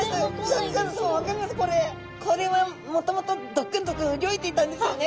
これはもともとドックンドックンうギョいていたんですよね。